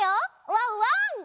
ワンワン！